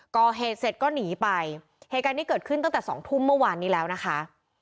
ก่อเหตุเสร็จก็หนีไปเหตุการณ์นี้เกิดขึ้นตั้งแต่สองทุ่มเมื่อวานนี้แล้วนะคะ